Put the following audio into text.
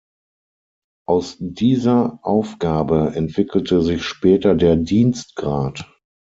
Aus dieser Aufgabe entwickelte sich später der Dienstgrad.